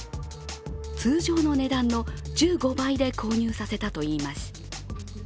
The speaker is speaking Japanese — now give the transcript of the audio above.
通常の値段の１５倍で購入させたといいます。